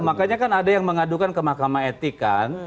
makanya kan ada yang mengadukan ke mahkamah etik kan